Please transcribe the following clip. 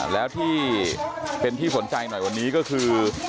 แล้วที่เป็นที่สนใจหน่อยวันนี้ก็คือ